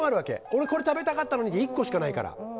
俺、これ食べたかったのにで１個しかないから。